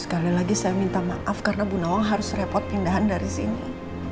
sekali lagi saya minta maaf karena bu nawang harus repot pindahan dari sini